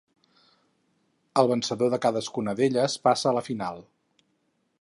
El vencedor de cadascuna d'elles passà a la final.